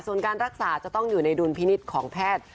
ส่วนการรักษาจะต้องอยู่ในดุลพินิษฐ์ของแพทย์